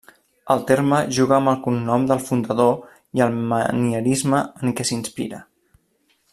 El terme juga amb el cognom del fundador i el manierisme en què s'inspira.